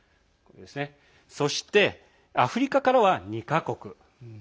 そして、アフリカからは２か国。